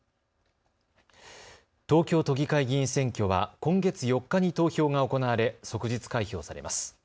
東京都議会議員選挙は今月４日に投票が行われ即日開票されます。